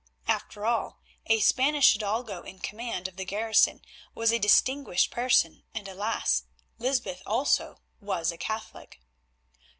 After all a Spanish hidalgo in command of the garrison was a distinguished person, and, alas! Lysbeth also was a Catholic.